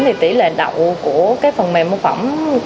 thì tỷ lệ đậu của cái phần mềm mô phỏng